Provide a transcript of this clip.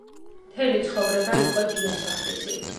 მთელი ცხოვრება იყო დიასახლისი.